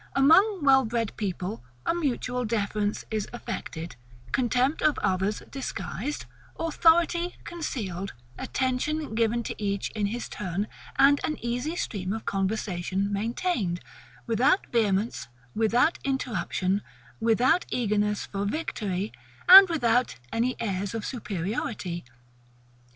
Among well bred people, a mutual deference is affected; contempt of others disguised; authority concealed; attention given to each in his turn; and an easy stream of conversation maintained, without vehemence, without interruption, without eagerness for victory, and without any airs of superiority.